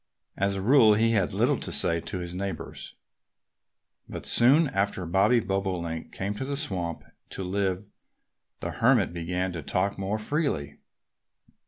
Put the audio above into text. As a rule he had little to say to his neighbors. But soon after Bobby Bobolink came to the swamp to live the Hermit began to talk more freely.